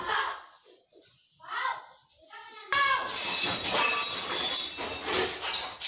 อ้าวอ้าว